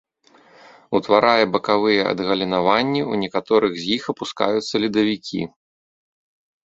Утварае бакавыя адгалінаванні, у некаторых з іх апускаюцца ледавікі.